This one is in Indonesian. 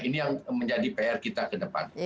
ini yang menjadi pr kita ke depan